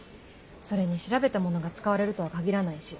それに調べたものが使われるとは限らないし。